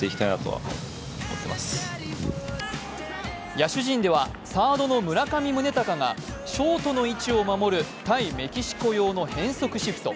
野手陣では、サードの村上宗隆がショートの位置を守る対メキシコ用の変則シフト。